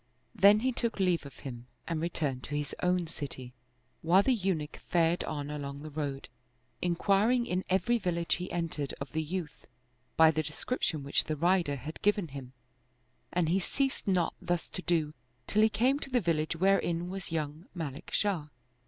Then he took leave of him and returned to his own city, while the Eunuch fared on along the road, inquiring in every village he entered of the youth, by the description which the rider had given him, and he ceased not thus to do till he came to the village wherein was young Malik Shah.